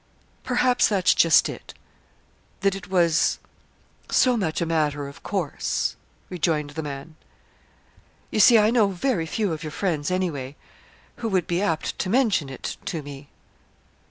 "Perhaps that's just it that it was so much a matter of course," rejoined the man. "You see, I know very few of your friends, anyway who would be apt to mention it to me."